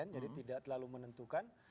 jadi tidak terlalu menentukan